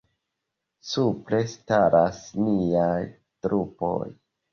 Supre staras niaj trupoj.